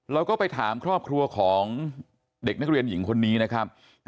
เราก็ไปถามครอบครัวของเด็กนักเรียนหญิงคนนี้นะครับ